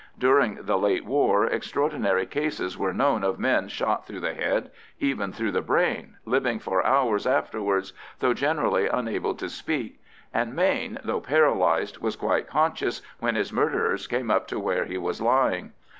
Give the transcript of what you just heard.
During the late war extraordinary cases were known of men shot through the head, even through the brain, living for hours afterwards, though generally unable to speak; and Mayne, though paralysed, was quite conscious when his murderers came up to where he was lying.